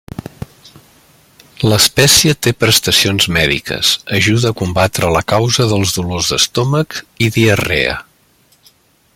L'espècie té prestacions mèdiques, ajuda a combatre la causa dels dolors d'estómac i diarrea.